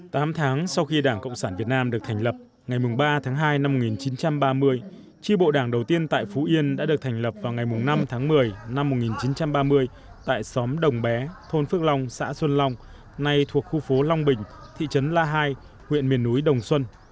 tám tháng sau khi đảng cộng sản việt nam được thành lập ngày ba tháng hai năm một nghìn chín trăm ba mươi tri bộ đảng đầu tiên tại phú yên đã được thành lập vào ngày năm tháng một mươi năm một nghìn chín trăm ba mươi tại xóm đồng bé thôn phước long xã xuân long nay thuộc khu phố long bình thị trấn la hai huyện miền núi đồng xuân